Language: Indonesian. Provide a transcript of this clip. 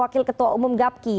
ketua umum gapki